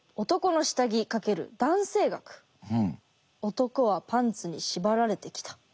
「男はパンツにしばられてきた」って。